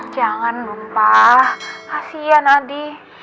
jangan bumpa kasian adi